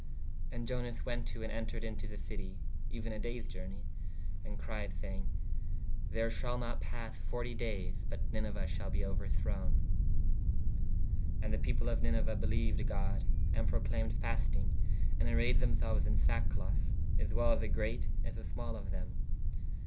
¶ And Ionas went to & entred in to [the] citie euen a dayes iourney/ and cried sayenge: There shall not passe .xl. dayes but Niniue shalbe ouerthrowen. ¶ And the people of Niniue beleued God/ and proclaymed fastynge/ ād arayed them selues in sackcloth/ as well the greate as the small of them.